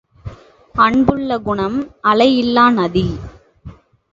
அன்பு உள்ள குணம் அலை இல்லா நதி.